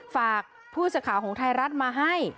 ฝากผู้เศรษฐ์ขาวของไทยรัฐมาให้